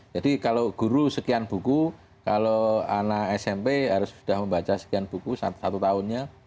jadi kalau guru sekian buku kalau anak smp harus sudah membaca sekian buku satu tahunnya